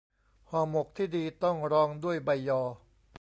ห่อหมกที่ดีต้องรองด้วยใบยอ